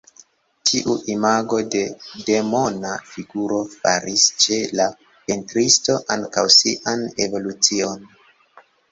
Tiu imago de Demona figuro faris ĉe la pentristo ankaŭ sian evolucion.